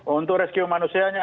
untuk rescue manusianya